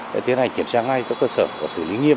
để tiến hành kiểm tra ngay các cơ sở và xử lý nghiêm